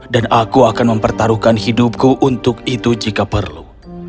dan aku akan mempertaruhkan hidupku untuk itu jika perlu